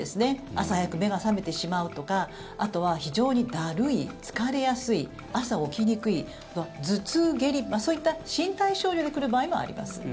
朝早く目が覚めてしまうとかあとは非常にだるい、疲れやすい朝起きにくい、頭痛、下痢そういった身体症状に来る場合もあります。